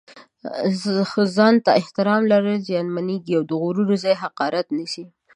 ځان ته احترام لرل زیانمېږي او د غرور ځای حقارت نیسي.